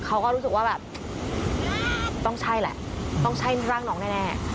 เขาก็รู้สึกว่าแบบต้องใช่แหละต้องใช่ร่างน้องแน่